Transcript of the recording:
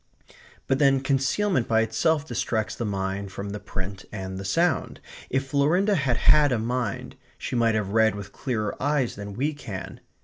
But then concealment by itself distracts the mind from the print and the sound. If Florinda had had a mind, she might have read with clearer eyes than we can.